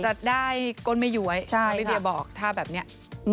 จะได้ก้นไม่ย้วยลิเดียบอกถ้าแบบนี้